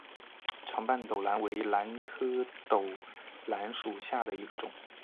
长瓣兜兰为兰科兜兰属下的一个种。